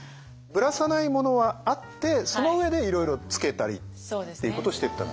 ぶらさないものはあってその上でいろいろつけたりっていうことをしていった。